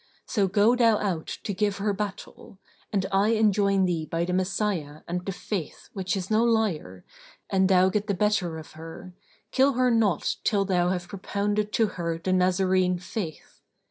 So go thou out to give her battle: and I enjoin thee by the Messiah and the Faith which is no liar, an thou get the better of her, kill her not till thou have propounded to her the Nazarene faith.